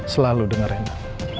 selalu dengar rena